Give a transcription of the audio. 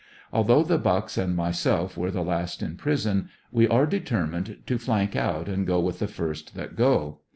Although the Bucks and myself were the last in prison, we are determined to flank out and go with the first that go.